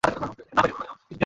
এটা আপনার হাতের লেখা, তাই না?